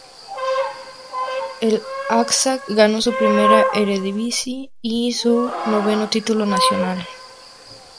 El Ajax ganó su primera Eredivisie y su noveno título nacional.